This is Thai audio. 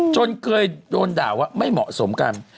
จนเคยโดนด่าว่าไม่เหมาะสมกัน